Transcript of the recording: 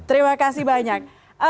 terima kasih banyak